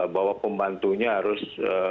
bahwa pembantunya harus disiapkan